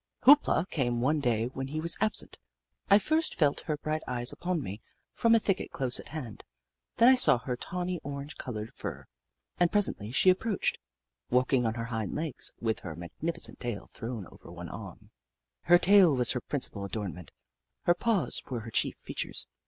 Hoop La came one day when he was ab sent. I first felt her bright eyes upon me from a thicket close at hand, then I saw her tawny orange coloured fur, and presently she 150 The Book of Clever Beasts approached, walking on her hind legs, with her magnificent tail thrown over one arm. Her tail was her principal adornment ; her paws were her chief features.